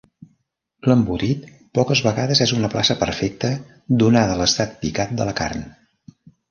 L'embotit poques vegades és una plaça perfecta donada l'estat picat de la carn.